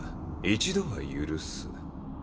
一度は許す。